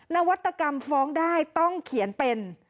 นวัตกรรมฟ้องได้ต้องเขียนเป็น